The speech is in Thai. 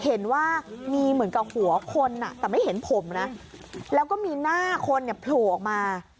เห็นว่ามีเหมือนกับหัวคนอ่ะแต่ไม่เห็นผมนะแล้วก็มีหน้าคนเนี่ยโผล่ออกมา